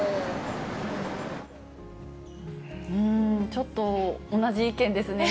ちょっと同じ意見ですね。